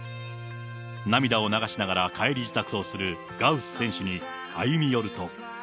涙を流しながら帰り支度をするガウフ選手に歩み寄ると。